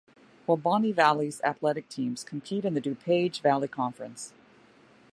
Waubonie Valley's athletic teams compete in the DuPage Valley Conference.